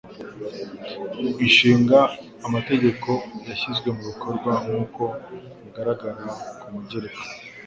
ishinga amategeko yashyizwe mu bikorwa nk uko bigaragara ku mugereka